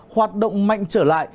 hoạt động mạnh trở lại